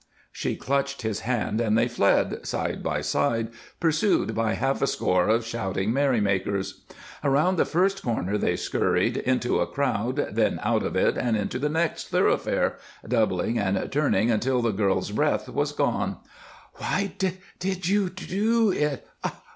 She clutched his hand and they fled, side by side, pursued by half a score of shouting merrymakers. Around the first corner they scurried, into a crowd, then out of it and into the next thoroughfare, doubling and turning until the girl's breath was gone. "Why did you do it?